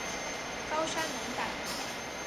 高山龙胆